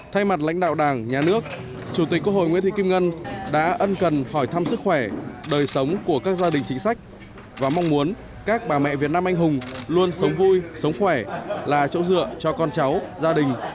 thay mặt lãnh đạo đảng nhà nước chủ tịch quốc hội nguyễn thị kim ngân đã ân cần hỏi thăm sức khỏe đời sống của các gia đình chính sách và mong muốn các bà mẹ việt nam anh hùng luôn sống vui sống khỏe là chỗ dựa cho con cháu gia đình